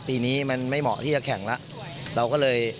ปีนี้มันไม่เหมาะที่จะแข่งแล้ว